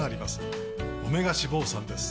オメガ脂肪酸です